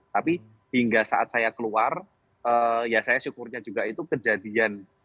tapi hingga saat saya keluar ya saya syukurnya juga itu kejadian